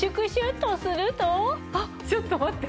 ちょっと待って。